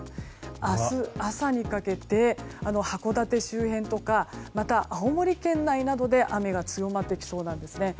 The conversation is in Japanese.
明日朝にかけて、函館周辺とかまた、青森県内などで雨が強まってきそうなんですね。